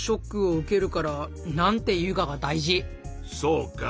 そうか。